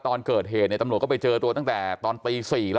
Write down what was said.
ตอนเกิดเหตุเนี่ยก็ไปเจอตัวตั้งแต่ปี๖๔